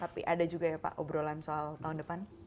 tapi ada juga ya pak obrolan soal tahun depan